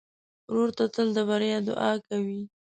ورور ته تل د بریا دعا کوې.